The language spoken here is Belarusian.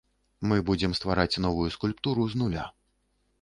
Мы будзем ствараць новую скульптуру з нуля.